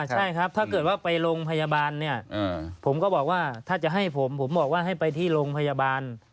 ใช่ครับถ้าเกิดว่าไปโรงพยาบาลเนี่ยผมก็บอกว่าถ้าจะให้ผมผมบอกว่าให้ไปที่โรงพยาบาล